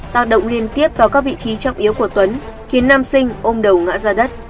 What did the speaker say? tạo động liên tiếp vào các vị trí trọng yếu của tuấn khiến nam sinh ôm đầu ngã ra đất